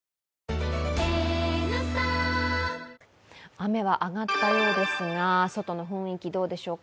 雨は上がったようですが外の雰囲気どうでしょうか。